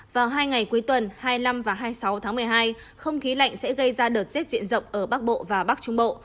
vào hai ngày cuối tuần hai mươi năm và hai mươi sáu tháng một mươi hai không khí lạnh sẽ gây ra đợt rét diện rộng ở bắc bộ và bắc trung bộ